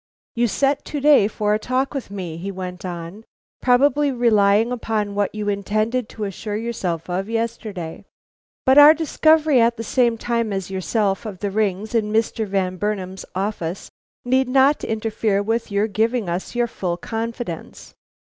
"You set to day for a talk with me," he went on; "probably relying upon what you intended to assure yourself of yesterday. But our discovery at the same time as yourself of the rings in Mr. Van Burnam's office, need not interfere with your giving us your full confidence.